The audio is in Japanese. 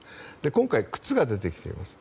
今回、靴が出てきています。